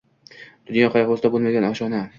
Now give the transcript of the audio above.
Dunyo qayg’usiga bo’lmagan oshno